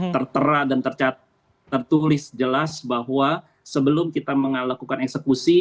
tertera dan tertulis jelas bahwa sebelum kita melakukan eksekusi